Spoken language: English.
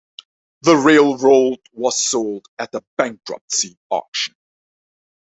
The railroad was sold at a bankruptcy auction.